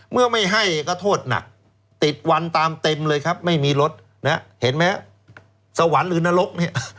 เมื่อไม่ให้ก็โทษหนักติดวันตามเต็มเลยครับไม่มีรถนะเห็นไหมฮะสวรรค์หรือนรกเนี่ย